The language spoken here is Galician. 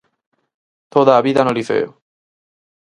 Toda a vida no Liceo.